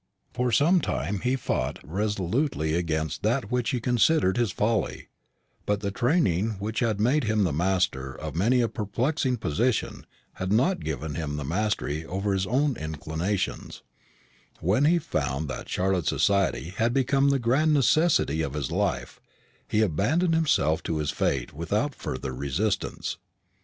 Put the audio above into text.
For some time he fought resolutely against that which he considered his folly; but the training which had made him the master of many a perplexing position had not given him the mastery over his own inclinations; and when he found that Charlotte's society had become the grand necessity of his life, he abandoned himself to his fate without further resistance.